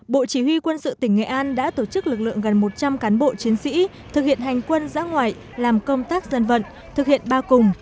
bộ chỉ huy quân sự tỉnh nghệ an đã tổ chức lực lượng gần một trăm linh cán bộ chiến sĩ thực hiện hành quân giã ngoại làm công tác dân vận thực hiện ba cùng